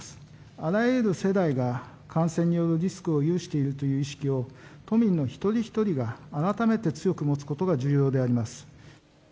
あらゆる世代が感染によるリスクを有しているという意識を、都民の一人一人が改めて強く持つことが重要であります。